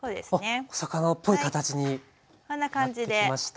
お魚っぽい形になってきました。